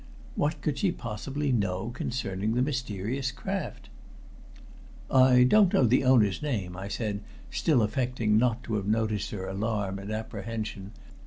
What could she possibly know concerning the mysterious craft? "I don't know the owner's name," I said, still affecting not to have noticed her alarm and apprehension.